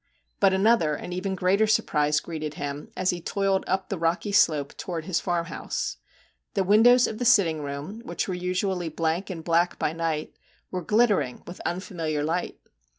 But another and even greater surprise greeted him as he toiled up the rocky slope towards his farmhouse. The windows of the sitting room, which were usually blank and black by night, were glittering with unfamiliar light.